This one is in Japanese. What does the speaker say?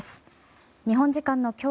日本時間の今日